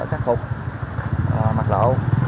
khắc phục mặt lộ